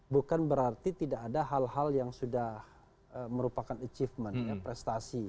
bukan berarti tidak ada hal hal yang sudah merupakan achievement prestasi